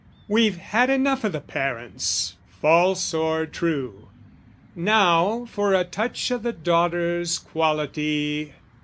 We've had enough o' the parents, false or true, Now for a touch o' the daughter's quality.